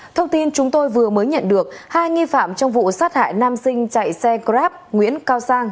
thông tin chúng tôi vừa mới nhận được hai nghi phạm trong vụ sát hại nam sinh chạy xe grab nguyễn cao sang